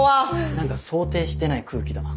何か想定してない空気だな。